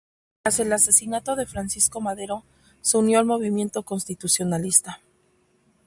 Tras el asesinato de Francisco Madero, se unió al movimiento constitucionalista.